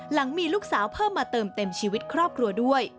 หลังมีลูกสาวเพิ่มมาเติมเต็มชีวิตครอบครัวด้วย